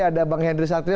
ada bang hendry satria